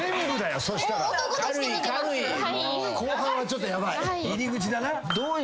・後半はちょっとヤバい。